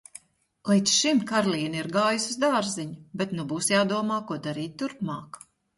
Līdz šim Karlīne ir gājusi uz dārziņu, bet nu būs jādomā, ko darīt turpmāk.